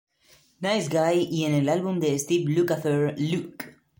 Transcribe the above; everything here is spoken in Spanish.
Nice Guy" y en el álbum de Steve Lukather "Luke".